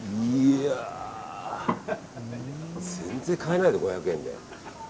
全然買えないね、５００円で。